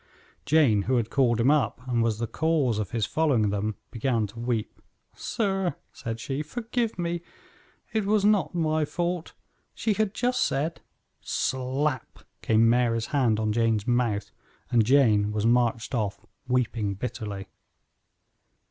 Jane, who had called him up, and was the cause of his following them, began to weep. "Sir," said she, "forgive me; it was not my fault; she had just said " Slap! came Mary's hand on Jane's mouth; and Jane was marched off, weeping bitterly.